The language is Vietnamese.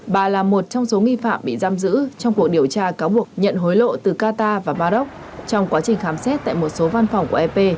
bà là một trong số nghi phạm bị giam giữ trong cuộc điều tra cáo buộc nhận hối lộ từ qatar và maroc trong quá trình khám xét tại một số văn phòng của ep